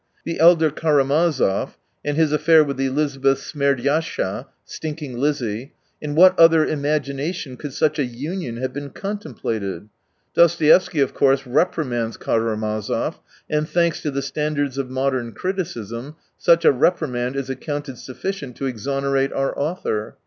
The elder Raramazov and his affair with Elizabeth Smerdyascha (Stinking Lizzie) — in what other imagination could such a union have been contemplated ? Dostoevsky, of course, reprimands Karamazov, andthanks to the standards of modern criticism, such a reprimand is accounted sufficient to exonerate our author.